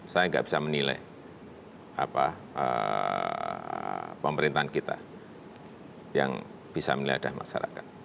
saya nggak bisa menilai pemerintahan kita yang bisa menilai ada masyarakat